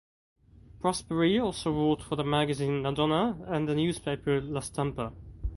Prosperi also wrote for the magazine "La Donna" and the newspaper "La Stampa".